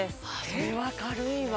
それは軽いわ